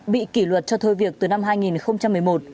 bị kỷ luật cho thôi việc từ năm hai nghìn một mươi một